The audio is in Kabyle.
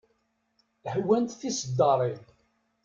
Hwant tiseddaṛin.